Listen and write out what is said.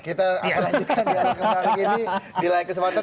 kita lanjutkan di hari kemarin ini